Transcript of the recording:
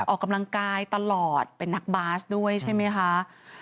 ออกกำลังกายตลอดเป็นนักบาสด้วยใช่ไหมคะ